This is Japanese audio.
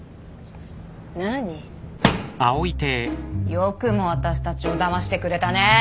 よくも私たちをだましてくれたね。